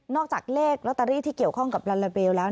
จากเลขลอตเตอรี่ที่เกี่ยวข้องกับลาลาเบลแล้ว